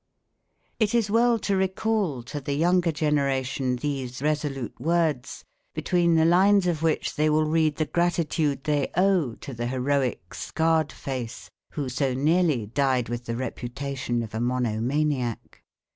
It is well to recall to the younger generation these resolute words, between the lines of which they will read the gratitude they owe to the heroic "Scarred face," who so nearly died with the reputation of a mono maniac.